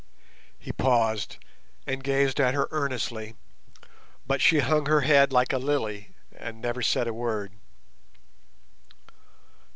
He paused and gazed at her earnestly, but she hung her head like a lily, and said never a word.